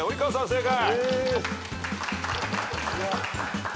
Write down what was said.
正解。